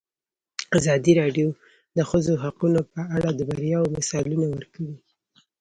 ازادي راډیو د د ښځو حقونه په اړه د بریاوو مثالونه ورکړي.